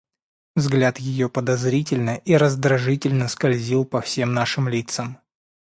Взгляд ее подозрительно и раздражительно скользил по всем нашим лицам.